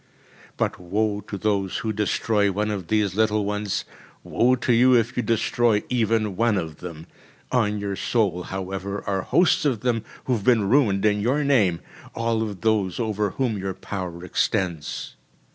But woe to those who destroy one of these little ones, woe to you if you destroy even one of them. On your soul, however, are hosts of them, who have been ruined in your name, all of those over whom your power extends.